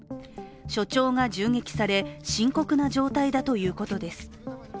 所長が銃撃され、深刻な状態だということです。